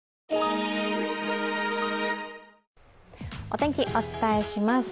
お天気、お伝えします。